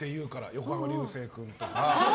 横浜流星君とか。